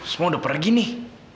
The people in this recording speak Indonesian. semua udah pergi nih